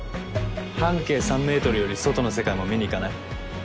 半径３ｍより外の世界も見に行かない？